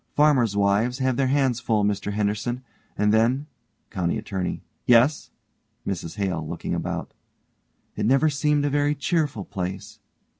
Farmers' wives have their hands full, Mr Henderson. And then COUNTY ATTORNEY: Yes ? MRS HALE: (looking about) It never seemed a very cheerful place.